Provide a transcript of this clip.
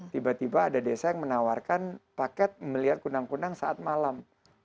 tiba tiba ada desa yang menawarkan paket melihat kunang kunang saat malam